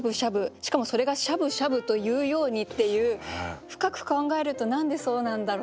しかもそれが「しゃぶしゃぶ」というようにっていう深く考えると「何でそうなんだろう」